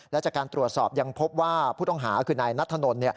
และจากการตรวจสอบยังพบว่าผู้ต้องหาคือนายนัทธนล